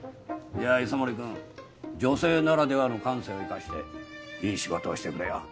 じゃあ磯森君女性ならではの感性を生かしていい仕事をしてくれよ。